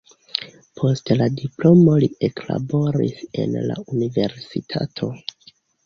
Post la diplomo li eklaboris en la universitato.